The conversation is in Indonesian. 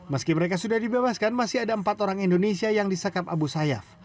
meski mereka sudah dibebaskan masih ada empat orang indonesia yang disekap abu sayyaf